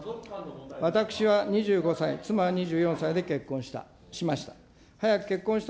私は２５歳、妻２４歳で結婚しました。